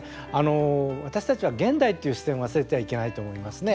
私たちは現代という視点を忘れてはいけないと思いますね。